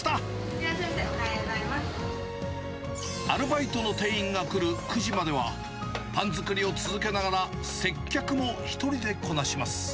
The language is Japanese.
いらっしゃいませ、おはようアルバイトの店員が来る９時までは、パン作りを続けながら、接客も１人でこなします。